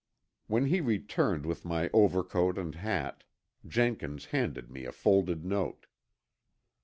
When he returned with my overcoat and hat, Jenkins handed me a folded note.